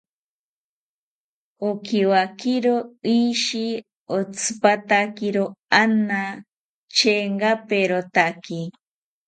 Okiwakiro ishi otzipatakiro ana, chengaperotaki